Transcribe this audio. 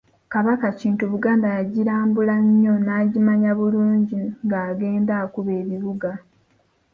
Kabaka Kintu Buganda yagirambula nnyo n'agimanya bulungi ng'agenda akuba ebibuga.